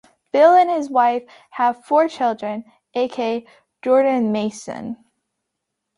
Bill and his wife have four children aka Jordan Mason.